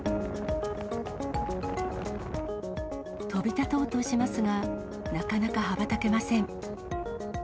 飛び立とうとしますが、なかなか羽ばたけません。